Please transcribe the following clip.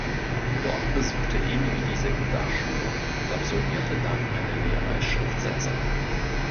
Dort besuchte Emil die Sekundarschule und absolvierte dann eine Lehre als Schriftsetzer.